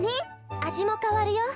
あじもかわるよ。